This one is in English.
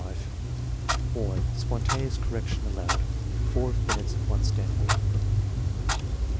Warn. Spontaneous correction al lowed.) (Four of Binet's, one Stanford.)